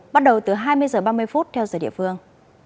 bắt đầu từ hai mươi h ba mươi phút theo giờ địa phương